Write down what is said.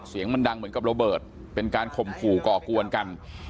เสียงมันดังเหมือนกับระเบิดเป็นการข่มขู่ก่อกวนกัน